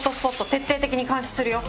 徹底的に監視するよ。